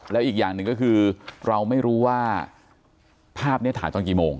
แล้วอีกอย่างหนึ่งก็คือเราไม่รู้ว่าภาพนี้ถ่ายตอนกี่โมง